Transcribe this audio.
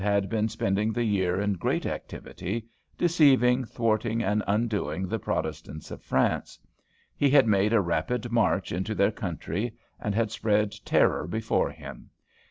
had been spending the year in great activity, deceiving, thwarting, and undoing the Protestants of France. He had made a rapid march into their country, and had spread terror before him.